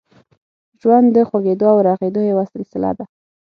ژوند د خوږېدو او رغېدو یوه سلسله ده.